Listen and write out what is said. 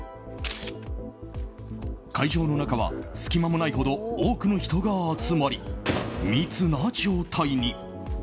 会場の中は隙間もないほど多くの人が集まり密な状態に。